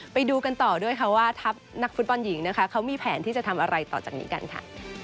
ไปดูกันต่อด้วยค่ะว่าทัพนักฟุตบอลหญิงนะคะเขามีแผนที่จะทำอะไรต่อจากนี้กันค่ะ